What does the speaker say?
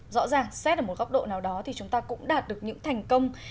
rõ ràng xét ở một góc độ nào đó thì chúng ta cũng đạt được những thành công